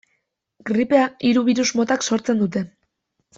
Gripea hiru birus motak sortzen dute.